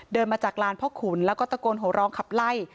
เดินมาจากลานพ่อขุนแล้วก็ตะโกนโหร้องขับไล่